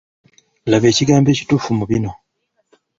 Laba ekigambo ebituufu mu bino.